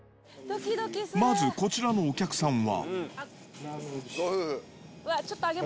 まずこちらのお客さんは。